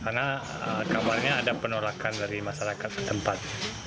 karena kamarnya ada penolakan dari masyarakat tempat